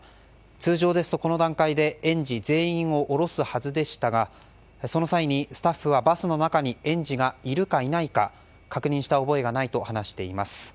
通常ですと、この段階で園児全員を降ろすはずでしたがその際にスタッフはバスの中に園児がいるかいないか確認した覚えがないと話しています。